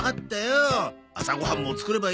朝ご飯も作ればいいんだろ。